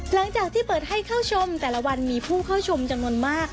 หลังจากที่เปิดให้เข้าชมแต่ละวันมีผู้เข้าชมจำนวนมาก